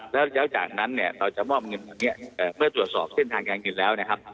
แล้วจากนั้นเนี่ยเราจะมอบเงินวันนี้เมื่อตรวจสอบเส้นทางการเงินแล้วนะครับ